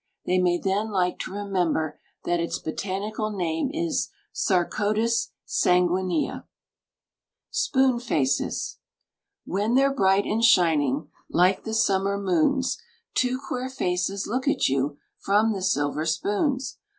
They may then like to remember that its botanical name is Sarcodes sanguinea. SPOON FACES. When they're bright and shining Like the summer moons, Two queer faces look at you From the silver spoons.